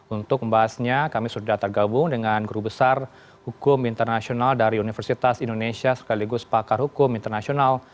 untuk membahasnya kami sudah tergabung dengan guru besar hukum internasional dari universitas indonesia sekaligus pakar hukum internasional